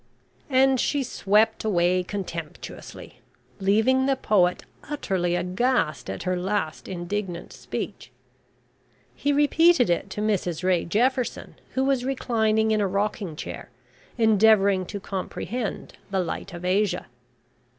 And she swept away contemptuously, leaving the poet utterly aghast at her last indignant speech. He repeated it to Mrs Ray Jefferson, who was reclining in a rocking chair, endeavouring to comprehend "The Light of Asia."